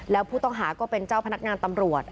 แล้วผู้ต้องหาก็เป็นเจ้าพนักงานตำรวจ